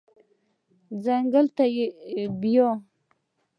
ځنګل ته بیایي